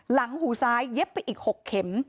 หูซ้ายเย็บไปอีก๖เข็ม